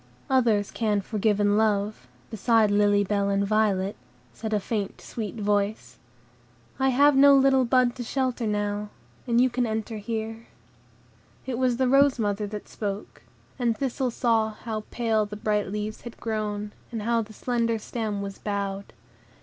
"Others can forgive and love, beside Lily Bell and Violet," said a faint, sweet voice; "I have no little bud to shelter now, and you can enter here." It was the rose mother that spoke, and Thistle saw how pale the bright leaves had grown, and how the slender stem was bowed.